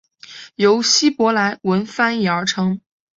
由希伯来文翻译而成。